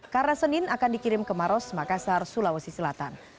karena senin akan dikirim ke maros makassar sulawesi selatan